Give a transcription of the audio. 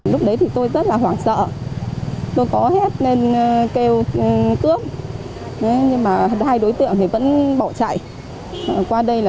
lúc đấy thì tôi rất là hoảng sợ tôi có hét nên kêu cướp nhưng mà hai đối tượng thì vẫn bỏ chạy